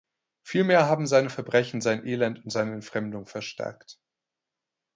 Vielmehr haben seine Verbrechen sein Elend und seine Entfremdung verstärkt.